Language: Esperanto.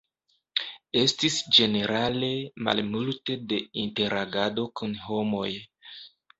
Estis ĝenerale malmulte de interagado kun homoj.